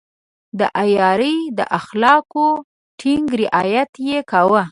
د عیارۍ د اخلاقو ټینګ رعایت يې کاوه.